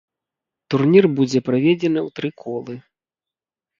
Турнір будзе праведзены ў тры колы.